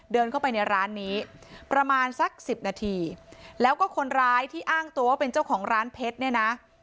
เดินเข้าไปในร้านนี้ประมาณสักสิบนาทีแล้วก็คนร้ายที่อ้างตัวว่าเป็นเจ้าของร้านเพชรเนี่ยนะ